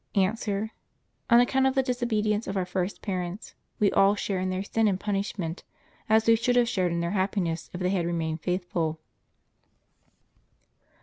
A. On account of the disobedience of our first parents, we all share in their sin and punishment, as we should have shared in their happiness if they had remained faithful.